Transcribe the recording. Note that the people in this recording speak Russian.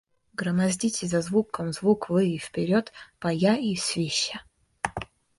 Громоздите за звуком звук вы и вперед, поя и свища.